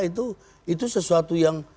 itu sesuatu yang